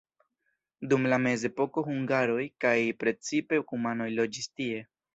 Dum la mezepoko hungaroj kaj precipe kumanoj loĝis tie.